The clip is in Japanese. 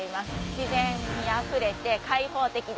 自然にあふれて開放的で。